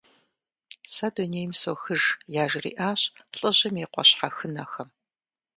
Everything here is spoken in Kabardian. Сэ дунейм сохыж, - яжриӏащ лӏыжьым и къуэ щхьэхынэхэм.